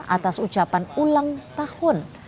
atas ucapan ulang tahun